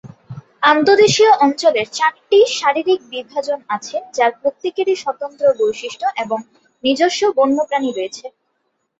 আন্তঃদেশীয় অঞ্চলের চারটি শারীরিক বিভাজন আছে যার প্রত্যেকেরই স্বতন্ত্র বৈশিষ্ট্য এবং নিজস্ব বন্যপ্রাণী রয়েছে।